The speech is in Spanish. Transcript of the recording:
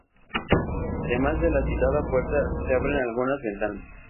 Además de la citada puerta, se abren algunas ventanas.